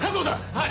はい！